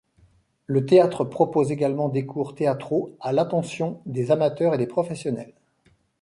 Le théâtre propose également des cours théâtraux à l'attention des amateurs et des professionnels.